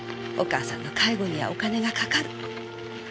お母さんの介護にはお金がかかる。